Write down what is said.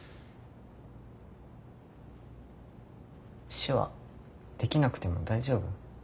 手話できなくても大丈夫？